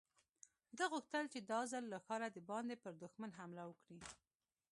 ده غوښتل چې دا ځل له ښاره د باندې پر دښمن حمله وکړي.